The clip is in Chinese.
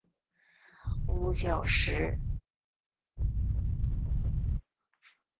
房角石是一属已灭绝的鹦鹉螺类。